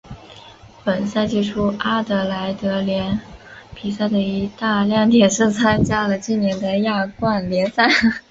本赛季初阿德莱德联比赛的一大亮点是参加了今年的亚冠联赛。